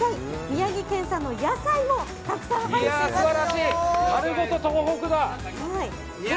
宮城県産の野菜もたくさん入っています。